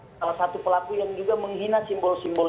salah satu pelaku yang juga menghina simbol simbol